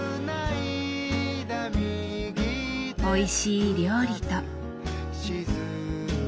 おいしい料理と。